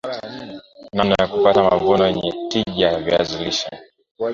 namna ya kupata mavuno yenye tija ya viazi lishe